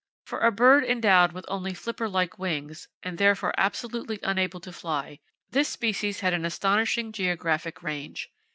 For a bird endowed only with flipper like wings, and therefore absolutely unable to fly, this species had an astonishing geographic range.